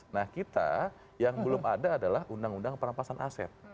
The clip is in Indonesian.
nah kita yang belum ada adalah undang undang perampasan aset